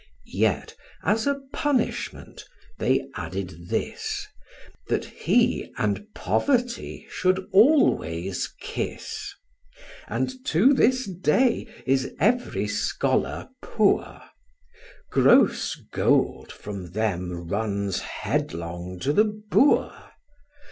Yet, as a punishment, they added this, That he and Poverty should always kiss And to this day is every scholar poor: Gross gold from them runs headlong to the boor.